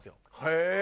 へえ。